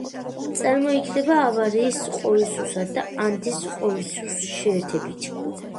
წარმოიქმნება ავარიის ყოისუსა და ანდის ყოისუს შეერთებით.